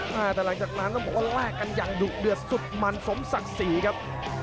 แต่หลังจากนั้นต้องบอกว่าแลกกันอย่างดุเดือดสุดมันสมศักดิ์ศรีครับ